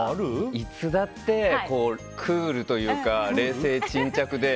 いつだってクールというか冷静沈着で。